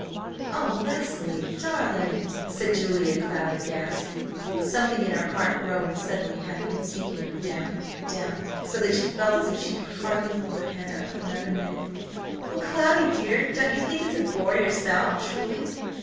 "O Leslie, darling!" said Julia Cloud, aghast, something in her heart growing suddenly heavy and sinking her down, down, so that she felt as if she could hardly hold her head up another minute. "Well, Cloudy, dear, don't you think it's a bore yourself, truly?